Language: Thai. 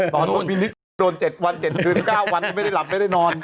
โดรน๗วัน๗กึ้ง๙วันไม่ได้หลับไม่ได้นอน